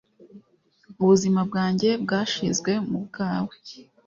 Ubuzima bwanjye bwashizwe mu bwawe